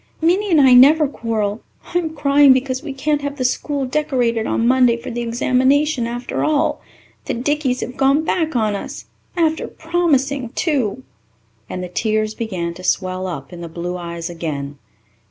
"Minnie and I never quarrel. I am crying because we can't have the school decorated on Monday for the examination, after all. The Dickeys have gone back on us ... after promising, too," and the tears began to swell up in the blue eyes again.